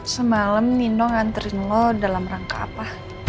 semalam nino nganterin lo dalam rangka apa